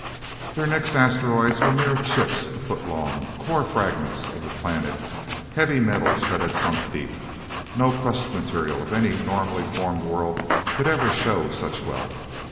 Their next asteroids were mere chips a foot long core fragments of the planet, heavy metals that had sunk deep. No crust material of any normally formed world could ever show such wealth.